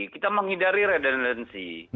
kita menghindari redundancy